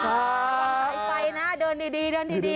ขอบใจนะเดินดี